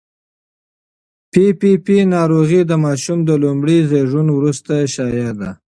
پي پي پي ناروغي د ماشوم د لومړي زېږون وروسته شایع ده.